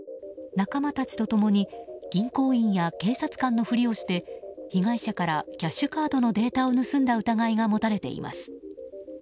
仲間たちと共に銀行員や警察官のふりをして被害者からキャッシュカードのデータを盗んだ疑いが持たれています。